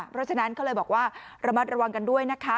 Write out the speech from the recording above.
เพราะฉะนั้นเขาเลยบอกว่าระมัดระวังกันด้วยนะคะ